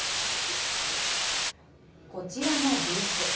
こちらのブース。